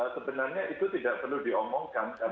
sebenarnya itu tidak perlu diomongkan